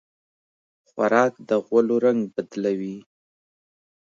خوراک د غولو رنګ بدلوي.